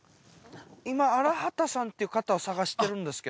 今荒幡さんっていう方を捜してるんですけど。